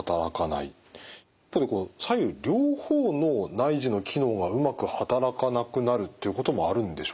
例えば左右両方の内耳の機能がうまく働かなくなるっていうこともあるんでしょうか？